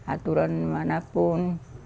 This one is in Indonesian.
aturan mana pun